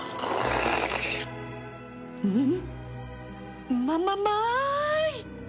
うんっうまままい！